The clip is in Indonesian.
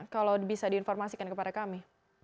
kalau bisa diinformasikan kepada kami